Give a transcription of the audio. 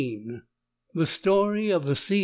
THE STORY OF THE C.